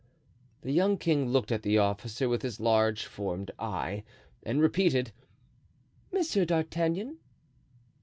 The young king looked at the officer with his large formed eye, and repeated: "Monsieur d'Artagnan."